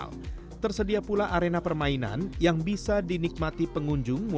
lagu lama ya tuhan